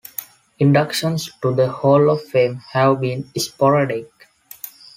Inductions to the hall of fame have been sporadic.